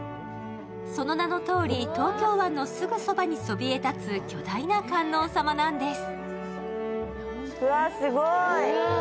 その名のとおり、東京湾のすぐそばにそびえ立つ巨大な観音様なんです。